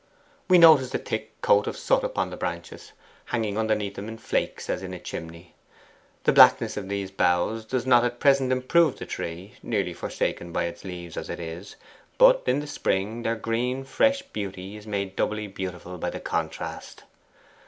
We notice the thick coat of soot upon the branches, hanging underneath them in flakes, as in a chimney. The blackness of these boughs does not at present improve the tree nearly forsaken by its leaves as it is but in the spring their green fresh beauty is made doubly beautiful by the contrast.